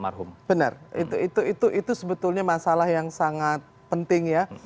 benar itu sebetulnya masalah yang sangat penting ya